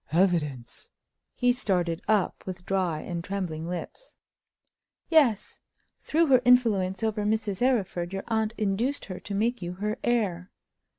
"Evidence!" He started up with dry and trembling lips. "Yes. Through her influence over Mrs. Arryford, your aunt induced her to make you her heir.